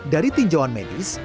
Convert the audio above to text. dari tinjauan medis